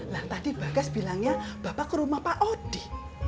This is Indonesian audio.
nah tadi bagas bilangnya bapak ke rumah pak odi